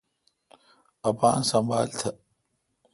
اپان سنبھال تھ۔